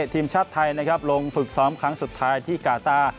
ทีมชาติไทยนะครับลงฝึกซ้อมครั้งสุดท้ายที่กาต้า